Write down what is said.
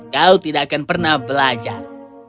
kau tidak akan pernah belajar